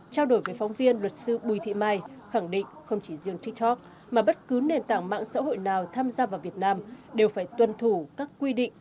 trao đổi với phóng viên luật sư bùi thị mai khẳng định không chỉ riêng tiktok mà bất cứ nền tảng mạng xã hội nào tham gia vào việt nam đều phải tuân thủ các quy định